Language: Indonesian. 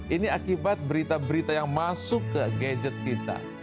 ini akibat berita berita yang masuk ke gadget kita